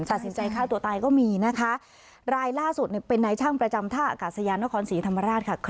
ตัดสินใจฆ่าตัวตายก็มีนะคะรายล่าสุดเป็นนายช่างประจำท่าอากาศยานนครศรีธรรมราชค่ะ